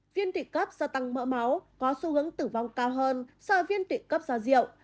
viêm tụy cấp do tăng mỡ máu có xu hướng tử vong cao hơn so với viêm tụy cấp do rượu